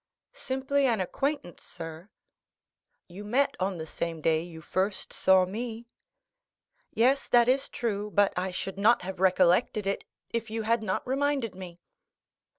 "Simply an acquaintance, sir." "You met on the same day you first saw me?" "Yes, that is true; but I should not have recollected it if you had not reminded me."